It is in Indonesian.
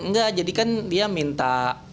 enggak jadikan dia minta